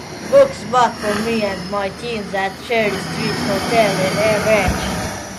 book spot for me and my teens at Cherry Street Hotel in MH